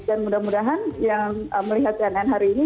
dan mudah mudahan yang melihat cnn hari ini